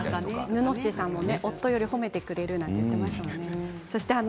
ぬのっしーさんも夫より褒めてくれるなんて言っていましたね。